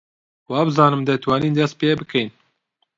وابزانم دەتوانین دەست پێ بکەین.